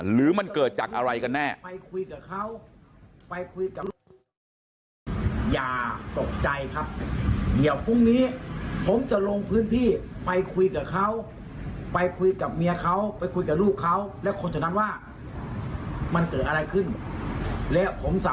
หรือมันเกิดจากอะไรกันแน่